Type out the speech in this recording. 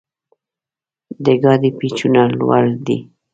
د ګاډي پېچونه لوړ دي.